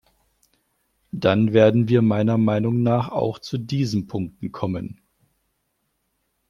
Dann werden wir meiner Meinung nach auch zu diesen Punkten kommen.